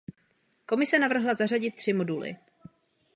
Komise navrhla zařadit tři moduly.